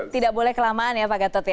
tidak boleh kelamaan ya pak gatot ya